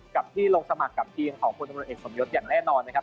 กับที่ลงสมัครกับทีมของพลตำรวจเอกสมยศอย่างแน่นอนนะครับ